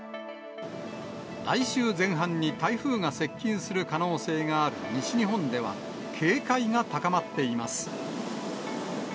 来週前半に台風が接近する可能性がある西日本では、警戒が高まっています。